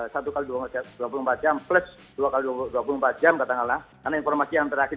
satu kali dua set dua puluh empat jam plus dua kali dua dua puluh empat jam katakanlah karena informasi yang terakhir